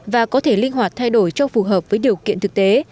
và có thể linh hoạt thay đổi cho phù hợp với điều kiện thực tế